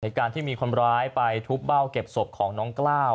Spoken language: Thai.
เหตุการณ์ที่มีคนร้ายไปทุบเบ้าเก็บศพของน้องกล้าว